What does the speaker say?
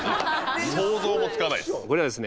想像もつかないです。